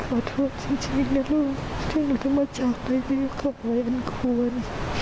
ถ้าลูกจะมาจากไตรวีดก็อย่างไรอันควร